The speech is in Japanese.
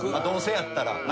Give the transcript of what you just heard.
どうせやったら。